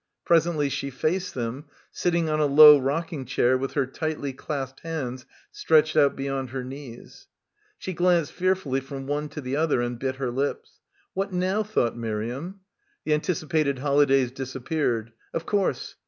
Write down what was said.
Presently she faced them, sitting on a low rocking chair with her tightly clasped hands stretched out beyond her knees. She glanced fearfully from one to the other and bit her lips. "What now," thought Miriam. The anticipated holidays disappeared. Of course.